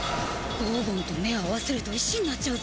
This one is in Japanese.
ゴーゴンと目を合わせると石になっちゃうぞ！